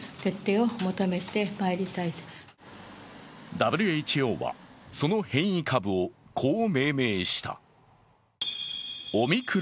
ＷＨＯは、その変異株をこう命名した。